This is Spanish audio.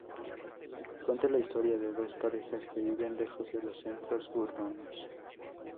Cuenta la historia de dos parejas que viven lejos de los centros urbanos.